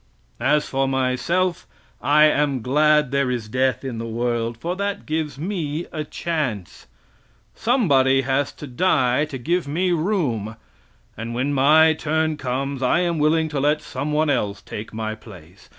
As for myself I am glad there is death in the world, for that gives me a chance. Somebody has to die to give me room, and when my turn comes I am willing to let some one else take my place.